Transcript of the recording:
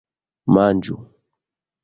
Manĝu!!